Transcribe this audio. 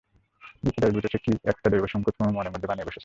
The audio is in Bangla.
বিপ্রদাস বুঝেছে, কী একটা দৈব-সংকেত কুমু মনের মধ্যে বানিয়ে বসেছে।